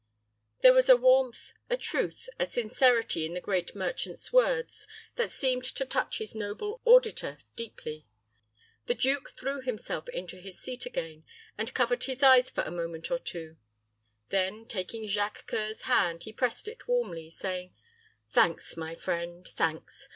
There was a warmth, a truth, a sincerity in the great merchant's words that seemed to touch his noble auditor deeply. The duke threw himself into his seat again, and covered his eyes for a moment or two; then, taking Jacques C[oe]ur's hand, he pressed it warmly, saying, "Thanks, my friend, thanks.